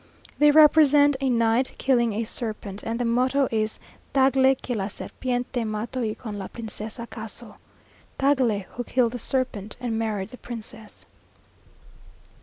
They represent a knight killing a serpent; and the motto is "Tagle que la serpiente mato y con la Princesa caso" (Tagle who killed the serpent, and married the Princess).